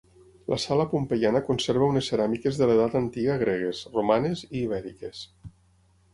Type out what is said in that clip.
La sala pompeiana conserva unes ceràmiques de l'Edat Antiga gregues, romanes i ibèriques.